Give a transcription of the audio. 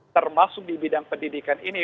termasuk di bidang pendidikan ini